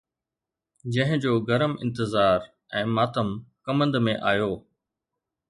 جنهن جو گرم انتظار ۽ ماتم ڪمند ۾ آيو